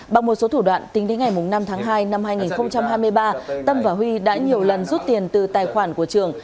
bằng một số thủ đoạn tính đến ngày năm tháng hai năm hai nghìn hai mươi ba tâm và huy đã nhiều lần rút tiền từ tài khoản của trường